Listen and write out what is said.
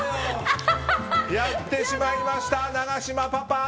やってしまいました、永島パパ。